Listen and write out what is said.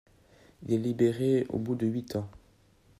Il est libéré au bout de huit ans.